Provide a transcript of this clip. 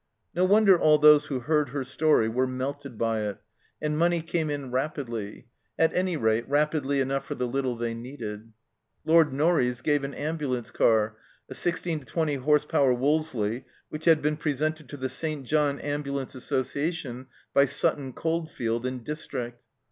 No wonder all those who heard her story were melted by it, and money came in rapidly at any rate, rapidly enough for the little they needed. Lord Norreys gave an ambulance car, a 16 20 h.p. Wolseley, which had been presented to the St. John Ambulance Association by Sutton Coldfield and district.